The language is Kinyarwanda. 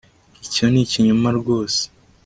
icyo ni ikinyoma rwose